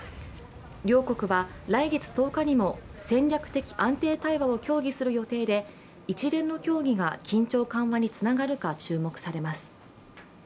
両国は来月１０日にも戦略的安定対話を協議する予定で一連の協議が緊張緩和につながるか注目されます。